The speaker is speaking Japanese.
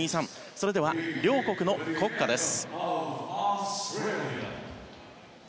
それでは両国の国歌です。